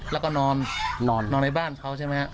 แล้วก็นอนนอนในบ้านเขาใช่ไหมครับ